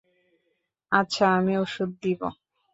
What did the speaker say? আচ্ছা আমি ওষুধ দিব।